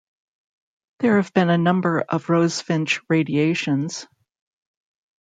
There have been a number of rosefinch radiations.